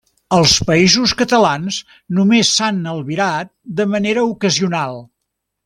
Als Països Catalans només s'han albirat de manera ocasional.